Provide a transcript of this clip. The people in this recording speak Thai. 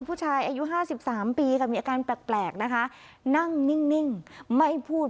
ผู้ชายอายุห้าสิบสามปีค่ะมีอาการแปลกนะคะนั่งนิ่งไม่พูด